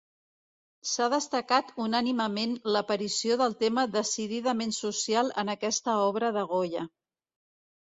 S'ha destacat unànimement l'aparició del tema decididament social en aquesta obra de Goya.